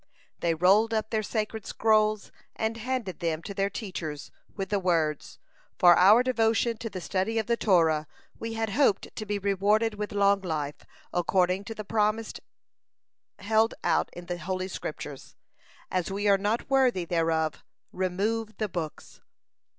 They rolled up their sacred scrolls, and handed them to their teachers with the words: "For our devotion to the study of the Torah, we had hoped to be rewarded with long life, according to the promised held out in the Holy Scriptures. As we are not worthy thereof, remove the books!"